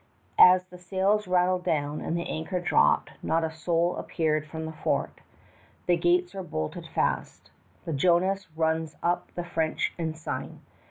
As the sails rattled down and the anchor dropped, not a soul appeared from the fort. The gates were bolted fast. The Jonas runs up the French ensign.